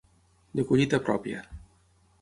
De collita pròpia.